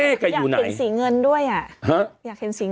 อยากเห็นสีเงินด้วยอ่ะ